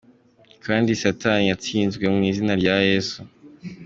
Kandi satan atsindwe mu izina rya Yezu!.